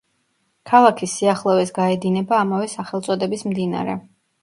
ქალაქის სიახლოვეს გაედინება ამავე სახელწოდების მდინარე.